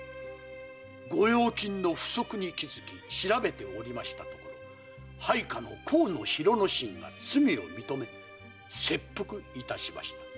御用金の不足に気づき調べておりましたところ配下の河野広之進が罪を認め切腹いたしました。